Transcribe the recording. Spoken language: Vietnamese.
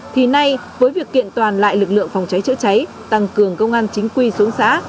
thì nay với việc kiện toàn lại lực lượng phòng cháy chữa cháy tăng cường công an chính quy xuống xã